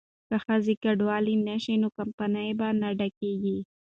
که ښځې کډوالې نه شي نو کیمپونه به نه ډکیږي.